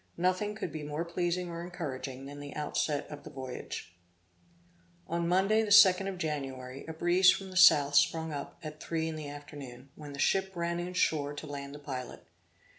Nothing could be more pleasing or encouraging than the outset of the voyage. On Monday the 2d of January, a breeze from the south sprung up at three in the afternoon, when the ship ran in shore to land the pilot.